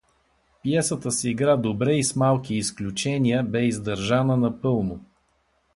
Пиесата се игра добре и с малки изключения бе издържана напълно.